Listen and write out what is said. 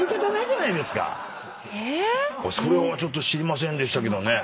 それはちょっと知りませんでしたけどね。